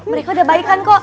mereka udah baikan kok